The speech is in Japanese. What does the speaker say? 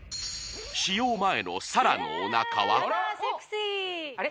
使用前の沙羅のおなかはあれ？